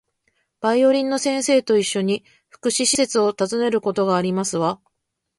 バイオリンの先生と一緒に、福祉施設を訪ねることがありますわ